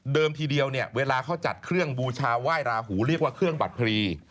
ทีเดียวเนี่ยเวลาเขาจัดเครื่องบูชาไหว้ราหูเรียกว่าเครื่องบัตรพรี